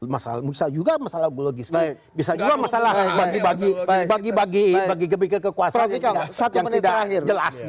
masalah logis juga bisa juga masalah bagi bagi bagi bagi kekuasaan yang tidak jelas